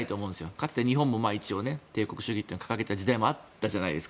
かつて日本も一応、帝国主義を掲げていた時代もあったじゃないですか。